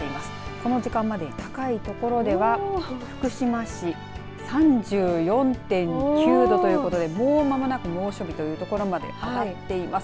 この時間まで、高い所では福島市３４．９度ということでもうまもなく猛暑日というところまで上がっています。